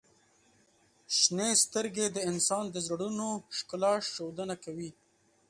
• شنې سترګې د انسان د زړونو ښکلا ښودنه کوي.